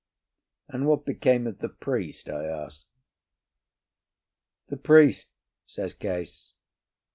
"And what became of the priest?" I asked. "The priest?" says Case.